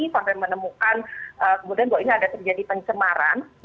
sampai menemukan kemudian bahwa ini ada terjadi pencemaran